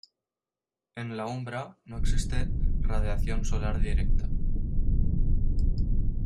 En la umbra, no existe radiación solar directa.